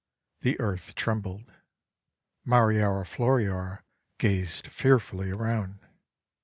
The Earth trembled. Mariora Floriora gazed fearfully around.